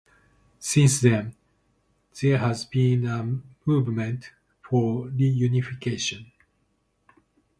Since then, there has been a movement for reunification.